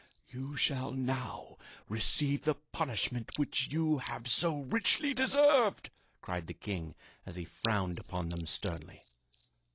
"You shall now receive the punishment which you have so richly deserved!" cried the king as he frowned upon them sternly.